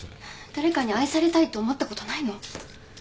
誰かに愛されたいと思ったことないの？